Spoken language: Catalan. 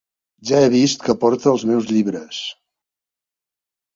Ja he vist que porta els meus llibres.